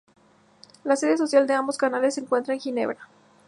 La sede social de ambos canales se encuentra en Ginebra.